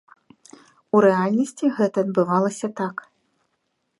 У рэальнасці гэта адбывалася так.